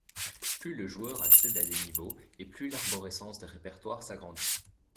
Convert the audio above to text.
Plus le joueur accède à des niveaux et plus l'arborescence des répertoires s'agrandit.